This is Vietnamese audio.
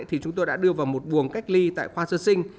thì chúng tôi đã đưa vào một buồng cách ly tại khoa sơ sinh